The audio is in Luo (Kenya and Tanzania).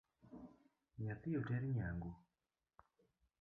Nyathi oter nyangu?